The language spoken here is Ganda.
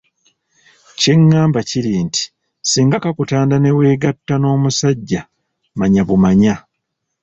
Kye ngamba kiri nti, singa kakutanda ne weegatta n'omusajja manya bumanya